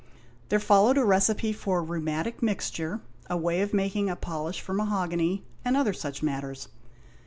There followed a recipe for a "rhumatic mixture," a way of making a polish for mahogany, and other such matters.